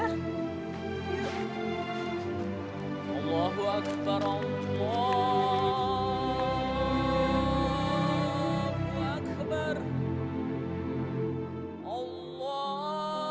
allahu akbar allah